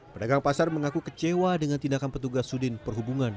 pedagang pasar mengaku kecewa dengan tindakan petugas sudin perhubungan